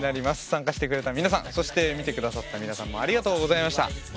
参加してくれた皆さんそして見て下さった皆さんもありがとうございました。